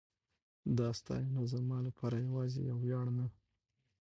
دا ستاینه زما لپاره یواځې یو ویاړ نه